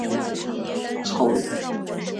利比里亚共和国位于非洲西海岸。